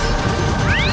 aku akan menang